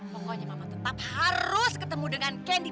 pokoknya mama tetap harus ketemu dengan kendi